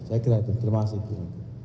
saya kira itu terima kasih bu